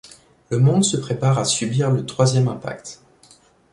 Le monde se prépare à subir le Troisième Impact.